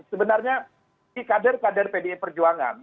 sebenarnya di kader kader pdi perjuangan